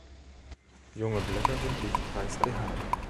Junge Blätter sind dicht weiß behaart.